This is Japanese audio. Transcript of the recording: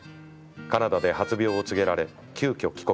カナダで発病を告げられ急きょ帰国。